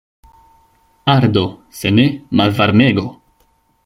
Ardo, se ne, malvarmego!